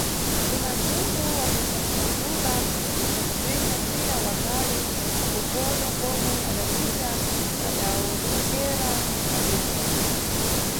Kuna nzungu wa nyakusankhula anyakumenya mpira wa kale, kakokokono komwe adacita kadawonekera padeca.